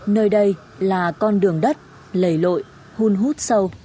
và con đường đất lầy lội hôn hút sâu